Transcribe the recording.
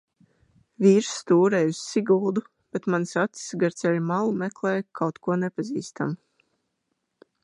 Vīrs stūrēja uz Siguldu, bet manas acis gar ceļa malu meklēja kaut ko nepazīstamu.